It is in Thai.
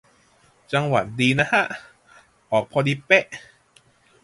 จังหวะดีนะฮะ ออกพอดีเป๊ะ